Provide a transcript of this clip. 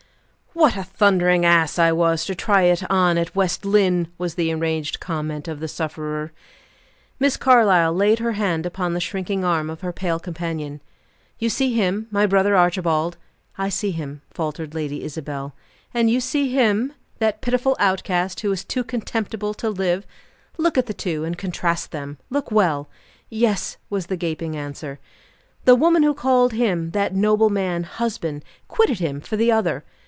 "What a thundering ass I was to try it on at West Lynne!" was the enraged comment of the sufferer. Miss Carlyle laid her hand upon the shrinking arm of her pale companion. "You see him my brother Archibald?" "I see him," faltered Lady Isabel. "And you see him, that pitiful outcast, who is too contemptible to live? Look at the two, and contrast them. Look well." "Yes!" was the gaping answer. "The woman who called him, that noble man, husband, quitted him for the other!